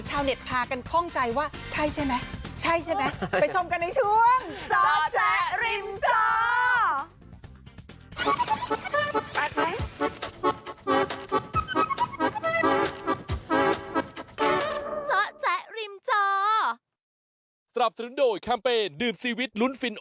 ชาวเน็ตพากันคล่องใจว่าใช่ใช่ไหมใช่ใช่ไหม